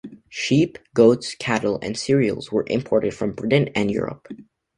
Sheep, goats, cattle and cereals were imported from Britain and Europe.